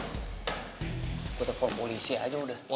butuh telfon polisi aja udah